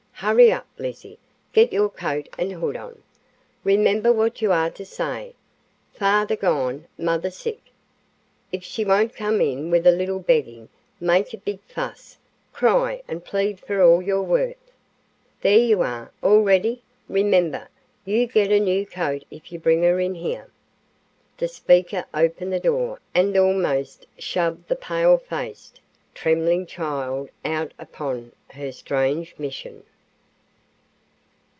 Hurry up, Lizzie. Get your coat and hood on. Remember what you are to say: father gone, mother sick. If she won't come in with a little begging, make a big fuss, cry and plead for all you're worth. There you are, all ready. Remember, you get a new coat if you bring her in here." The speaker opened the door and almost shoved the pale faced, trembling child out upon her strange mission.